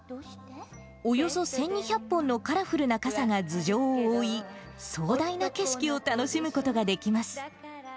およそ１２００本のカラフルな傘が頭上を覆い、壮大な景色を楽しむことができます。